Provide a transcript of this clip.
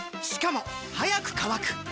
しかも速く乾く！